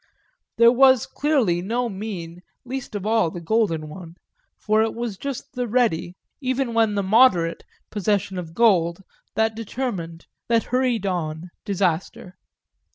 There was clearly no mean, least of all the golden one, for it was just the ready, even when the moderate, possession of gold that determined, that hurried on, disaster.